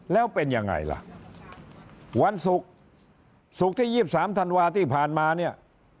แล้วเป็นยังไงล่ะวันศุกร์ศุกร์ที่๒๓ธันวาที่ผ่านมาเนี่ย